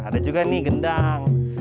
ada juga nih gendang